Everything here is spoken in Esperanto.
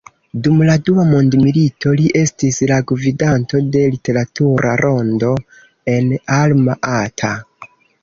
Dum la dua mondmilito li estis la gvidanto de literatura rondo en Alma Ata.